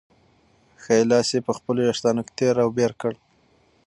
ښی لاس یې په خپلو وېښتانو کې تېر او بېر کړ.